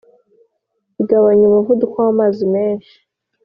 igabanya umuvuduko w’amazi menshi